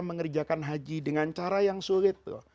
mengerjakan haji dengan cara yang sulit loh